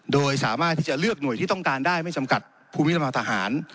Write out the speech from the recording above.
โดยสามารถที่จะเลือกหน่วยที่ต้องการได้ไม่จำกัดภูมิลำทหาร